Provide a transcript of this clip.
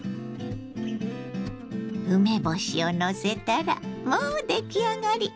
梅干しをのせたらもう出来上がり！